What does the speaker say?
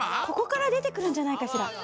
ここからでてくるんじゃないかしら？